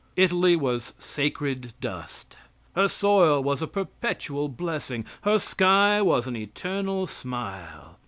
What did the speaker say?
Italy was sacred dust. Her soil was a perpetual blessing, her sky was an eternal smile.